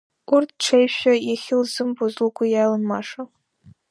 Урҭ ҽеишәа иахьылзымбоз лгәы иалан Маша.